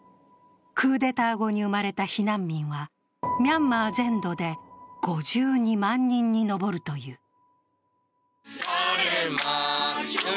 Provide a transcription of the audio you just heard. クーデター後に生まれた避難民は、ミャンマー全土で５２万人に上るという。